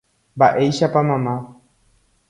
Mba'éichapa mama